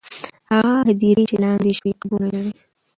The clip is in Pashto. هغه هدیرې چې لاندې شوې، قبرونه لري.